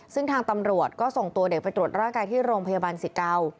ซึ่งทางตำรวจก็ส่งตัวเด็กไปตรวจร่างกายที่โรงพยาบาลสิเกา